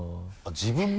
自分も？